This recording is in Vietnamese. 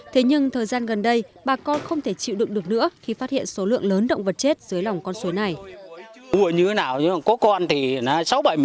thế nhưng thời gian gần đây bà con không thể chịu đựng được nữa khi phát hiện số lượng lớn động vật chết dưới lòng con suối này